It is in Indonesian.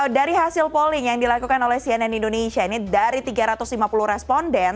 dari hasil polling yang dilakukan oleh cnn indonesia ini dari tiga ratus lima puluh responden